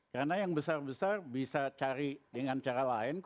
karena yang besar besar bisa cari dengan cara lain kok